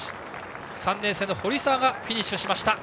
３年生の堀澤がフィニッシュしました。